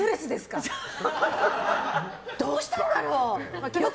どうしたんだろう？